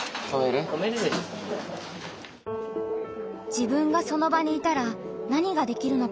自分がその場にいたら何ができるのか。